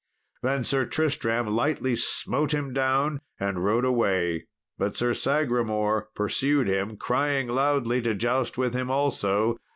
Then Sir Tristram lightly smote him down, and rode away. But Sir Sagramour pursued him, crying loudly to joust with him also.